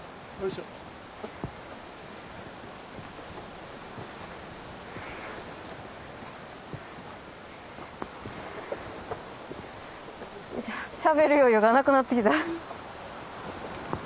しゃべる余裕がなくなってきた。